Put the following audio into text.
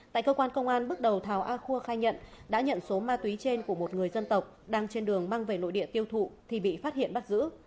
tại cơ quan công an bước đầu thảo a khua khai nhận đã nhận số ma túy trên của một người dân tộc đang trên đường mang về nội địa tiêu thụ thì bị phát hiện bắt giữ